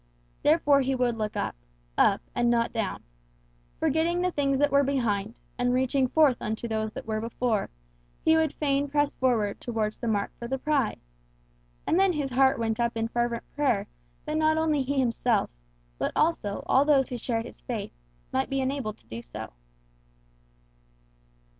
Therefore he would look up up, and not down. Forgetting the things that were behind, and reaching forth unto those that were before, he would fain press forward towards the mark for the prize. And then his heart went up in fervent prayer that not only he himself, but also all those who shared his faith, might be enabled so to do.